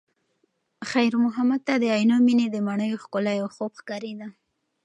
خیر محمد ته د عینومېنې د ماڼیو ښکلا یو خوب ښکارېده.